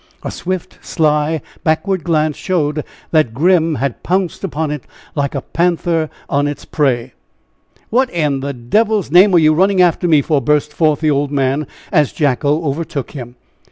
A swift, sly, backward glance showed that Grim had pounced upon it like a panther on its prey. "What in the d l's name are you running after me for?" burst forth the old man as Jacko overtook him.